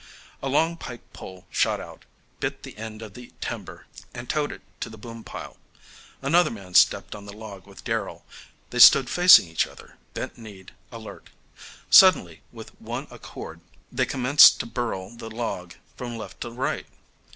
A long pike pole shot out, bit the end of the timber, and towed it to the boom pile. Another man stepped on the log with Darrell. They stood facing each other, bent kneed, alert. Suddenly with one accord they commenced to birl the log from left to right.